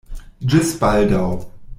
Ĝis baldaŭ.